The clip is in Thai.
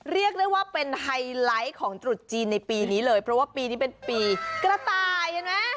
เรียกได้ว่าเป็นไฮไลท์ของตรุษจีนในปีนี้เลยเพราะว่าปีนี้เป็นปีกระต่ายเห็นไหม